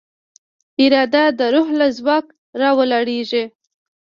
اراده د روح له ځواک راولاړېږي.